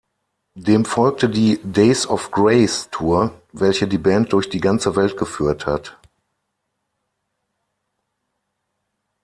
Dem folgte die "Days-of-Grays-Tour" welche die Band durch die ganze Welt geführt hat.